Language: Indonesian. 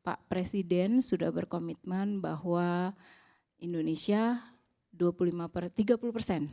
pak presiden sudah berkomitmen bahwa indonesia dua puluh lima per tiga puluh persen